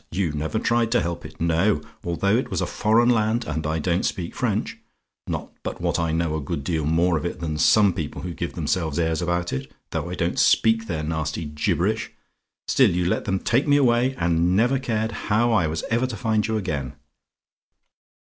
"You never tried to help it. No; although it was a foreign land, and I don't speak French not but what I know a good deal more of it than some people who give themselves airs about it though I don't speak their nasty gibberish, still you let them take me away, and never cared how I was ever to find you again.